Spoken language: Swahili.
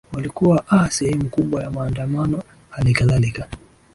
walikuwa aa sehemu kubwa ya maandamano halikadhalika